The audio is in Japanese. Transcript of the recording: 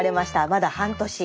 まだ半年。